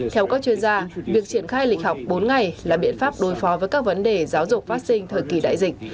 theo các chuyên gia việc triển khai lịch học bốn ngày là biện pháp đối phó với các vấn đề giáo dục phát sinh thời kỳ đại dịch